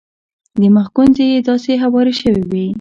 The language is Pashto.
د مخ ګونځې یې داسې هوارې شوې وې.